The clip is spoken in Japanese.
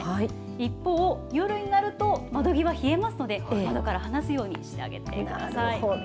一方、夜になると、窓際冷えますので、窓から離すようにしてあげなるほど。